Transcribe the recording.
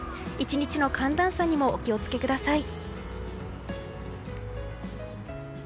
１日の寒暖差にもお気を付けください。